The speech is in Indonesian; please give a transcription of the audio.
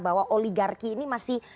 bahwa oligarki ini masih